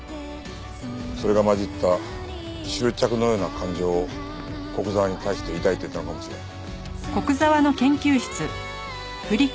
それが混じった執着のような感情を古久沢に対して抱いていたのかもしれん。